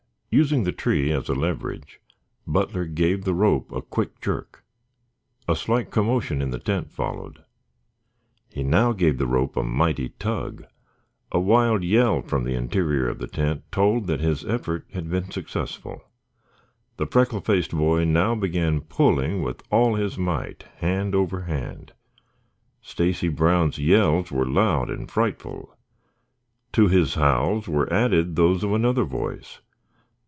Using the tree as a leverage Butler gave the rope a quick jerk. A slight commotion in the tent followed. He now gave the rope a mighty tug. A wild yell from the interior of the tent told that his effort had been successful. The freckle faced boy now began pulling with all his might, hand over hand. Stacy Brown's yells were loud and frightful. To his howls were added those of another voice.